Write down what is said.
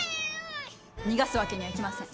逃がすわけにはいきません。